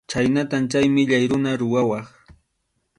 Chhaynatam chay millay runa rurawaq.